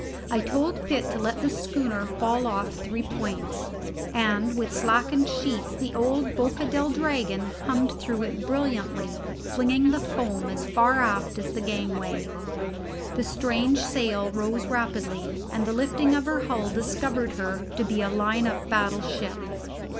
I told Pitt to let the schooner fall off three points, and with slackened sheets the old Boca del Dragon hummed through it brilliantly, flinging the foam as far aft as the gangway. The strange sail rose rapidly, and the lifting of her hull discovered her to be a line of battle ship.